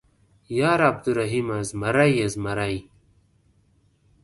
_ياره عبرالرحيمه ، زمری يې زمری.